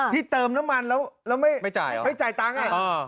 เติมน้ำมันแล้วไม่จ่ายตังค์